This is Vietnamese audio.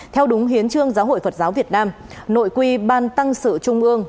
theo đúng hiến trương giáo hội phật giáo việt nam nội quy ban tăng sự trung ương